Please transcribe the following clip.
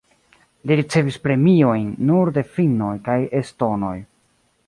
Li ricevis premiojn nur de finnoj kaj estonoj.